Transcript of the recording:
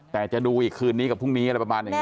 แต่จะดูอีกคืนนี้กับพรุ่งนี้อะไรประมาณอย่างนี้